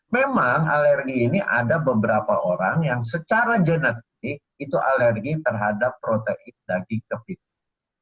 memang alergi ini ada beberapa orang yang secara genetik itu alergi terhadap protein daging kepiting